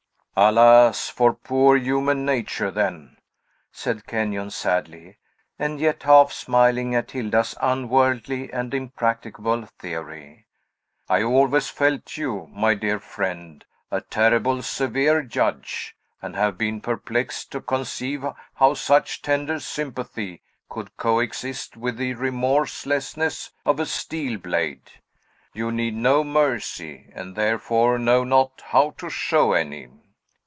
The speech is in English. "Alas for poor human nature, then!" said Kenyon sadly, and yet half smiling at Hilda's unworldly and impracticable theory. "I always felt you, my dear friend, a terribly severe judge, and have been perplexed to conceive how such tender sympathy could coexist with the remorselessness of a steel blade. You need no mercy, and therefore know not how to show any."